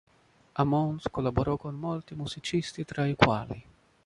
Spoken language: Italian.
Ammons collaborò con molti musicisti, tra i quali